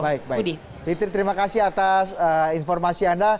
baik baik fitri terima kasih atas informasi anda